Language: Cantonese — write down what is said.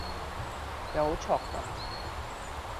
又好 chok 咁⠀⠀